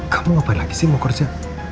kamu ngapain lagi sih mokorza